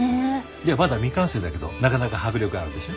いやまだ未完成だけどなかなか迫力あるでしょ？